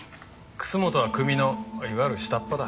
楠本は組のいわゆる下っ端だ。